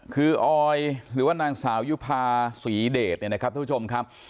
คือออยหรือว่านางสาวยุภาษีเดชเนี่ยนะครับทุกผู้ชมครับ